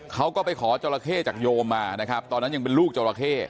เขาก็ไปขอจราเข้จากโยมมานะครับตอนนั้นยังเป็นลูกจราเข้